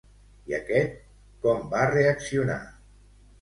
I aquest com va reaccionar?